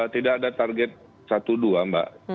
tidak ada target satu dua mbak